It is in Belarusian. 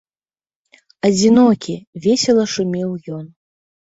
Адзінокі, весела шумеў ён.